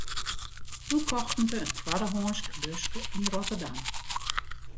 Doe kochten we in twaddehânsk buske yn Rotterdam.